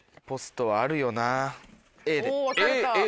ポストはあるよなＡで。